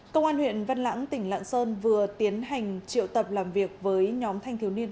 công an huyện văn lãng tỉnh lạng sơn vừa tiến hành triệu tập làm việc với nhóm thanh thiếu niên